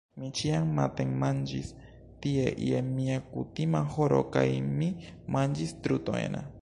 Mi ĉiam matenmanĝis tie je mia kutima horo, kaj mi manĝis trutojn.